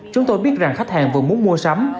chúng tôi biết rằng khách hàng vừa muốn mua sắm